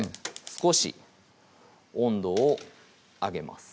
少し温度を上げます